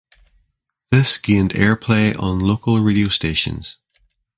This gained airplay on local radio stations.